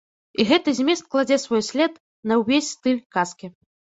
І гэты змест кладзе свой след на ўвесь стыль казкі.